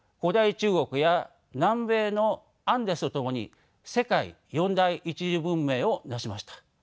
中国や南米のアンデスと共に世界四大一次文明を成しました。